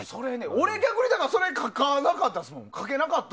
俺、逆にだからそれ書けなかったですもん。